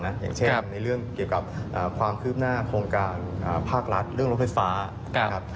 อย่างเช่นกับความคืบหน้าโครงการภาครัฐเรื่องรถไฟฟ้า